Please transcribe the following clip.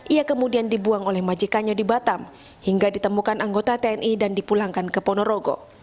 ia kemudian dibuang oleh majikannya di batam hingga ditemukan anggota tni dan dipulangkan ke ponorogo